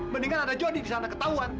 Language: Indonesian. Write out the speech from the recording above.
mendingan ada jody di sana ketahuan